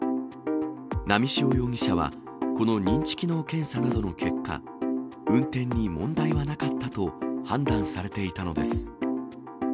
波汐容疑者は、この認知機能検査などの結果、運転に問題はなかったと判断されていたのです。